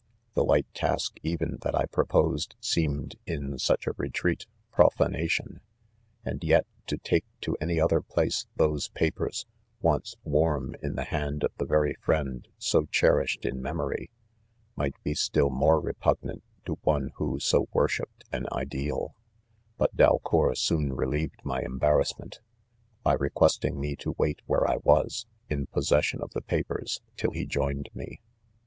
The light task even that I proposed, seemed, in such a retreat, profanation ; and yet, to take to any other place, those papers, once warm in the hand of the very friend so cherished in mem ory, migut uQ stin more repugnant to one Who so worshipped an ideal ] but Dalcour soon re lieved my embarrassment, by requesting me to wait where I was, in possession of the pa pers, till he joined me.